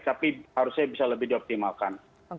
tapi harusnya bisa lebih dioptimalkan